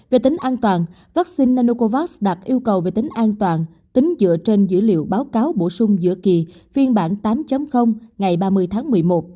về tính an toàn vaccine nanocovax đạt yêu cầu về tính an toàn tính dựa trên dữ liệu báo cáo bổ sung giữa kỳ phiên bản tám ngày ba mươi tháng một mươi một